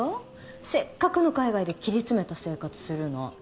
せっかくの海外で切り詰めた生活するの